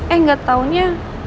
eh gatau nya